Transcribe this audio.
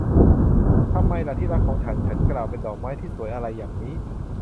ทำไมล่ะ ที่รักของฉัน ฉันกล่าว เป็นดอกไม้ที่สวยอะไรอย่างนี้